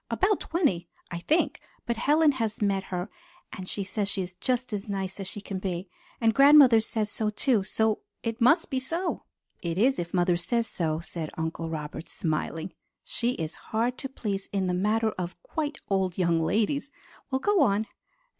About twenty, I think, but Helen has met her, and she says she is just as nice as she can be. And grandmother says so too; so it must be so." "It is if mother says so," said Uncle Robert, smiling. "She is hard to please in the matter of 'quite old young ladies.' Well, go on."